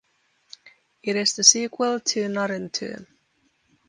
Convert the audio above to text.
It is the sequel to "Narrenturm".